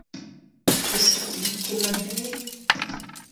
Prest out evit kemmañ buhez ?